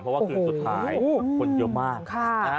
เพราะว่าคืนสุดท้ายคนเยอะมากนะฮะ